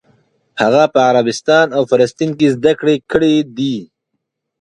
هغه په عربستان او فلسطین کې زده کړې کړې دي.